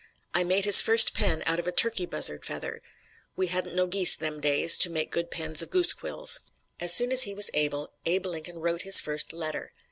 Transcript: I made his first pen out of a turkey buzzard feather. We hadn't no geese them days to make good pens of goose quills." As soon as he was able Abe Lincoln wrote his first letter.